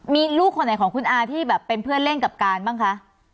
มีลูกคนไหนของคุณอาที่แบบเป็นเพื่อนเล่นกับการบ้างคะ